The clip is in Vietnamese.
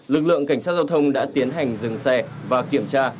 lực lượng cảnh sát giao thông đã tiến hành dừng xe và kiểm tra